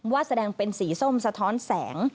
แสดงเป็นสีส้มสะท้อนแสง